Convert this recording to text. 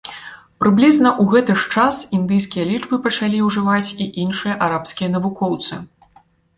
Прыблізна ў гэты ж час індыйскія лічбы пачалі ўжываць і іншыя арабскія навукоўцы.